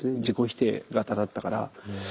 自己否定型だったから。